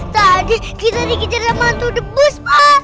tadi kita dikicil sama hantu debus pak